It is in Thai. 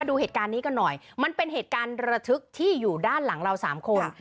ดูเหตุการณ์นี้กันหน่อยมันเป็นเหตุการณ์ระทึกที่อยู่ด้านหลังเราสามคน